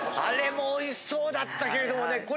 あれもおいしそうだったけれどもね。